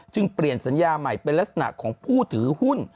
เปลี่ยนสัญญาใหม่เป็นลักษณะของผู้ถือหุ้น